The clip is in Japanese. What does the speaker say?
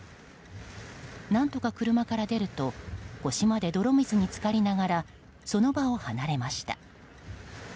何とか車から出ると腰まで泥水に浸かりながらその場を離れました。